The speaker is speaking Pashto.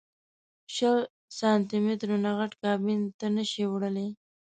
شل سانتي مترو نه غټ کابین ته نه شې وړلی.